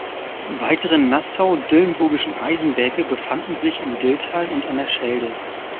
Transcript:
Weitere nassau-dillenburgischen Eisenwerke befanden sich im Dilltal und an der Schelde.